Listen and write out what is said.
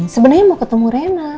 sebenarnya mau ketemu rena